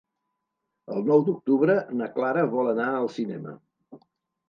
El nou d'octubre na Clara vol anar al cinema.